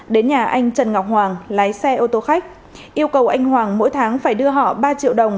đến nhà anh trần ngọc hoàng lái xe ô tô khách yêu cầu anh hoàng mỗi tháng phải đưa họ ba triệu đồng